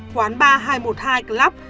quán ba nghìn hai trăm một mươi hai club